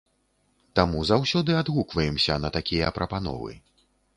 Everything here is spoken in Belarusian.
Таму заўсёды адгукваемся на такія прапановы.